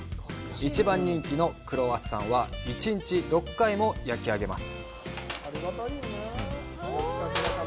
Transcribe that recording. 一番人気のクロワッサンは１日６回も焼き上げます。